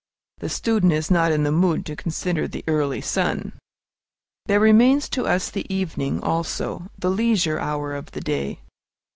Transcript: The student is not in the mood to consider the early sun. There remains to us the evening, also, the leisure hour of the day.